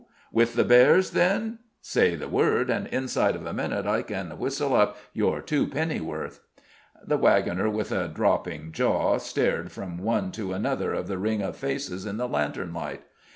With the bears, then? Say the word, and inside of a minute I can whistle up your two pennyworth." The wagoner with a dropping jaw stared from one to another of the ring of faces in the lantern light.